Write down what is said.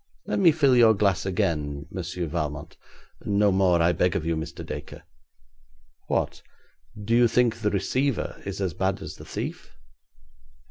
Let me fill your glass again, Monsieur Valmont.' 'No more, I beg of you, Mr. Dacre.' 'What, do you think the receiver is as bad as the thief?'